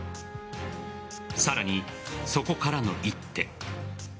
さらに、そこからの一手。